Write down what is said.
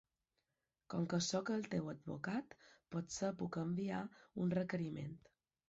Com que soc el teu advocat, potser puc enviar un requeriment.